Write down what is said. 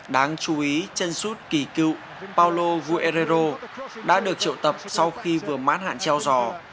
đáng chú ý chân sút kỳ cựu paulo vieirero đã được triệu tập sau khi vừa mát hạn treo giò